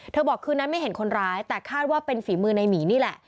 บอกคืนนั้นไม่เห็นคนร้ายแต่คาดว่าเป็นฝีมือในหมีนี่แหละ